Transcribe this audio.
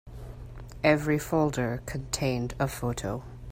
Every folder contained a photo.